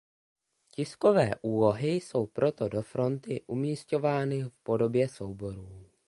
Tiskové úlohy jsou proto do fronty umisťovány v podobě souborů.